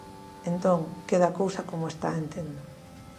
Entón, queda a cousa como está, entendo.